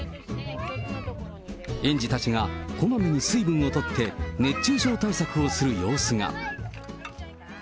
園児たちがこまめに水分を取って、熱中症対策をする様子が。